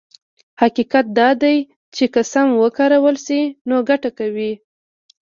حقيقت دا دی چې که سم وکارول شي نو ګټه کوي.